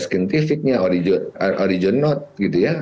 skinificnya origionaut gitu ya